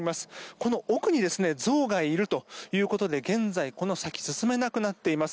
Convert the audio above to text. この奥にゾウがいるということで現在、この先進めなくなっています。